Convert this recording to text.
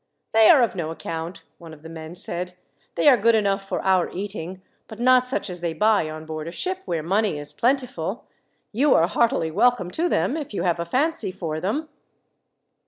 "They are of no account," one of the men said. "They are good enough for our eating, but not such as they buy on board a ship where money is plentiful. You are heartily welcome to them if you have a fancy for them."